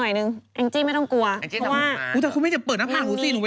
วันไหนรถติดก็หวีบนรถอย่างนี้